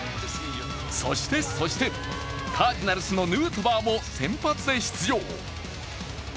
そしてそして、カージナルスのヌートバーも先発で出場。